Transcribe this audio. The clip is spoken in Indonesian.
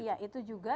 iya itu juga